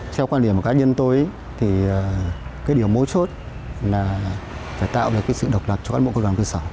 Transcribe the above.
theo quan điểm của cá nhân tôi điều mối chốt là phải tạo được sự độc lập cho cán bộ công đoàn cơ sở